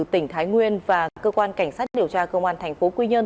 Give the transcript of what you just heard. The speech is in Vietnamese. tỉnh thái nguyên và cơ quan cảnh sát điều tra công an thành phố quy nhơn